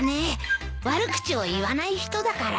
悪口を言わない人だから。